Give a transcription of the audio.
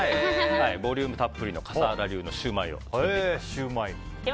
ボリュームたっぷりの笠原流のシューマイを作っていきます。